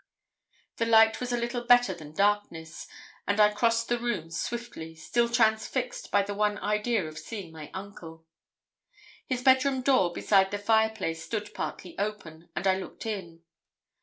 The light was little better than darkness, and I crossed the room swiftly, still transfixed by the one idea of seeing my uncle. His bed room door beside the fireplace stood partly open, and I looked in.